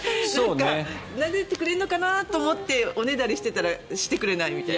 なでてくれるのかなと思っておねだりしていたらしてくれないみたいな。